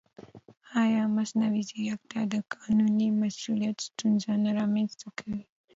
ایا مصنوعي ځیرکتیا د قانوني مسؤلیت ستونزه نه رامنځته کوي؟